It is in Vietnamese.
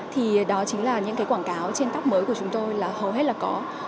thì đó chính là những cái quảng cáo trên tóc mới của chúng tôi là hầu hết là có